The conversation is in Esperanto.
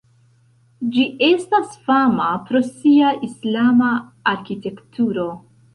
Ĝi estas fama pro sia islama arkitekturo.